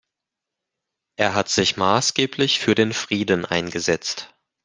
Er hat sich maßgeblich für den Frieden eingesetzt.